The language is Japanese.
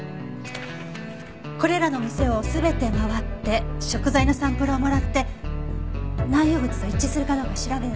これらの店を全て回って食材のサンプルをもらって内容物と一致するかどうか調べるの。